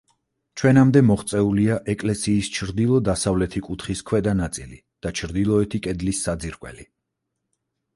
ჩვენამდე მოღწეულია ეკლესიის ჩრდილო-დასავლეთი კუთხის ქვედა ნაწილი და ჩრდილოეთი კედლის საძირკველი.